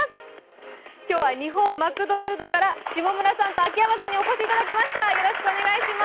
今日は日本マクドナルドから下村さんと秋山さんにお越しいただきました。